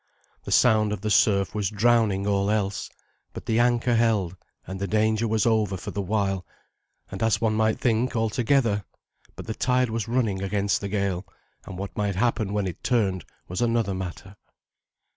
The sound of the surf was drowning all else. But the anchor held, and the danger was over for the while, and as one might think altogether; but the tide was running against the gale, and what might happen when it turned was another matter.